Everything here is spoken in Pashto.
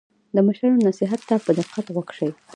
د مشرانو نصیحت ته په دقت غوږ شئ.